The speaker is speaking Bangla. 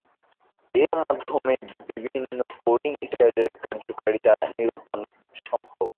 এর মাধ্যমে বিভিন্ন কোডিং স্টাইলের কার্যকারিতা নিরূপণ সম্ভব।